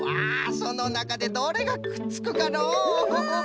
そのなかでどれがくっつくかのう？